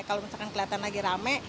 kalau misalkan kelihatan lagi rame